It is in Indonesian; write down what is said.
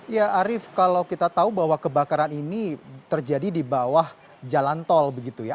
ya arief kalau kita tahu bahwa kebakaran ini terjadi di bawah jalan tol begitu ya